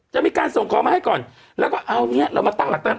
จะมีการส่งของมาให้ก่อนแล้วก็เอาเนี้ยเรามาตั้งหลักตั้ง